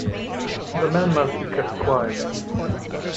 The man must be kept quiet.